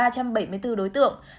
thành phố sẽ triển khai